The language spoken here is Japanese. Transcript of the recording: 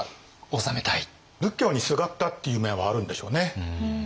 仏教にすがったっていう面はあるんでしょうね。